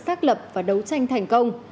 xác lập và đấu tranh thành công